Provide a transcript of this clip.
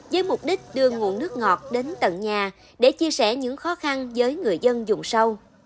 với mục đích đưa nguồn nước ngọt đến tận nhà để chia sẻ những khó khăn với người dân dùng sâu